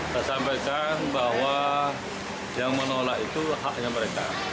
saya sampaikan bahwa yang menolak itu haknya mereka